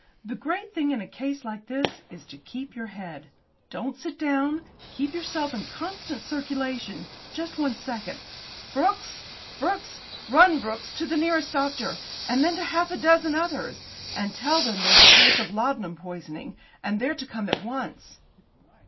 The great thing in a case like this is to keep your head. Don't sit down; keep yourself in constant circulation! Just one second! Brooks! Brooks! Run, Brooks, to the nearest doctor, and then to half a dozen others, and tell them there's a case of laudanum poisoning, and they're to come at once."